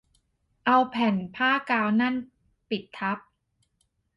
เอาแผ่นผ้ากาวนั่นปิดทับ